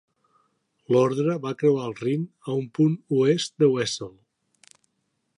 L'ordre va creuar el Rin a un punt oest de Wesel.